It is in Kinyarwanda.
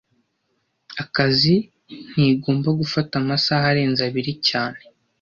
Akazi ntigomba gufata amasaha arenze abiri cyane